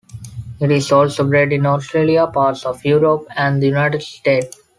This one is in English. It is also bred in Australia, parts of Europe, and the United States.